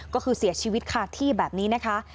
ก็คือเสียชีวิตคาที่แบบนี้นะคะ